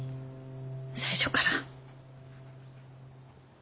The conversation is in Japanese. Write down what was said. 最初から。